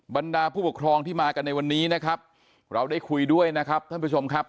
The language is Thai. บรรดาผู้ปกครองที่มากันในวันนี้นะครับเราได้คุยด้วยนะครับท่านผู้ชมครับ